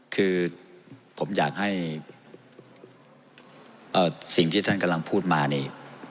คือผมอยากให้สิ่งที่ท่านกำลังพูดมานี่